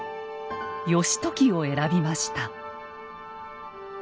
義時を選びました。